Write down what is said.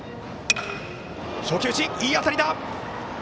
初球打ち、いい当たりだ！